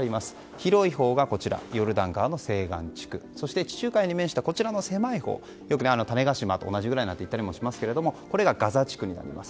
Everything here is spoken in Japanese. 広いほうがヨルダン川の西岸地区そして地中海に面した狭いほうよく種子島と同じぐらいといったりしますがこれがガザ地区になります。